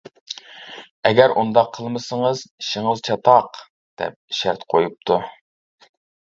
ئەگەر ئۇنداق قىلمىسىڭىز، ئىشىڭىز چاتاق، -دەپ شەرت قويۇپتۇ.